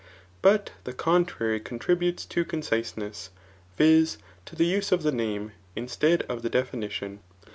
But the contrary contributes to conciseness, viz. to use the name instead of the defini 4ion.